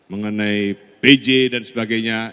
mengenai pj dan sebagainya